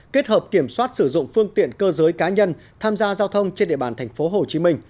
kết hợp kiểm soát sử dụng phương tiện cơ giới cá nhân tham gia giao thông trên địa bàn tp hcm